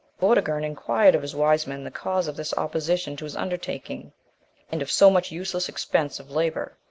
Vortigern inquired of his wise men the cause of this opposition to his undertaking, and of so much useless expense of labour?